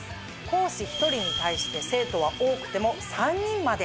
講師１人に対して生徒は多くても３人まで。